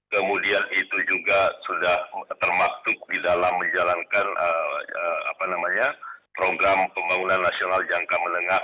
kemudian itu juga sudah termaktub di dalam menjalankan program pembangunan nasional jangka menengah